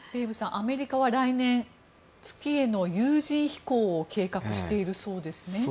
アメリカは来年月への有人飛行を計画しているそうですね。